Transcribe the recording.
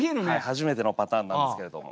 初めてのパターンなんですけれども。